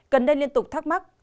cần đây liên tục thắc mắc